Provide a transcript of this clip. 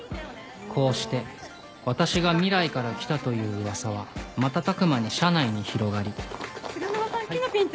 こうして私が未来から来たという噂は瞬く間に社内に広がり菅沼さん